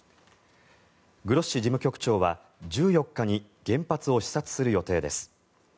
グロッシ事務局長は１４日に原発を視察する予定です。